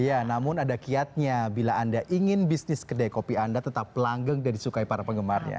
iya namun ada kiatnya bila anda ingin bisnis kedai kopi anda tetap pelanggeng dan disukai para penggemarnya